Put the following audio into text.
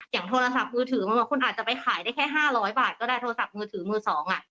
อย่างโทรศัพท์มือถือมันว่าคุณอาจจะไปขายได้แค่ห้าร้อยบาทก็ได้โทรศัพท์มือถือมือสอง